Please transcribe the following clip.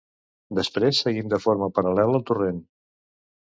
Després seguim de forma paral·lela al torrent.